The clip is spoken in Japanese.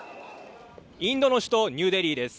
インドの首都ニューデリーです。